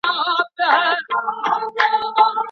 ولي کوښښ کوونکی د وړ کس په پرتله لاره اسانه کوي؟